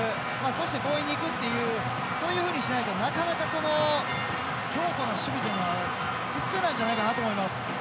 そして、強引に行くっていうそういうふうにしないとなかなか、強固な守備というのは崩せないんじゃないかと思います。